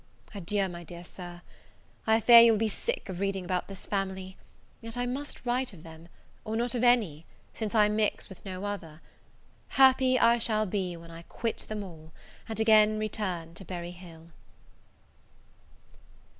Adieu, my dear Sir. I fear you will be sick of reading about this family; yet I must write of them, or not of any, since I mix with no other. Happy I shall be when I quit them all, and again return to Berry Hill.